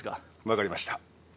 分かりました。